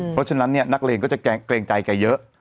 เพราะฉะนั้นเนี่ยนักเลงก็จะเกรงใจแกเยอะ